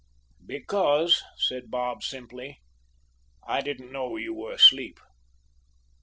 "'Because,' said Bob, simply, 'I didn't know you were asleep.'